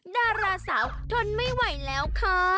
ดาราสาวทนไม่ไหวแล้วค่ะ